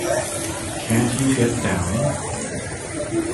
Can't you get down?